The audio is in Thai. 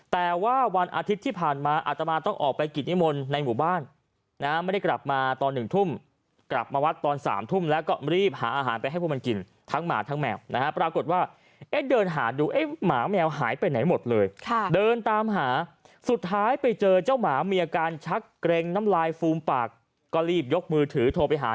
แต่ว่าวันอาทิตย์ที่ผ่านมาอาตมาต้องออกไปกิจนิมนต์ในหมู่บ้านนะไม่ได้กลับมาตอน๑ทุ่มกลับมาวัดตอน๓ทุ่มแล้วก็รีบหาอาหารไปให้พวกมันกินทั้งหมาทั้งแมวนะฮะปรากฏว่าเอ๊ะเดินหาดูเอ๊ะหมาแมวหายไปไหนหมดเลยเดินตามหาสุดท้ายไปเจอเจ้าหมามีอาการชักเกร็งน้ำลายฟูมปากก็รีบยกมือถือโทรไปหา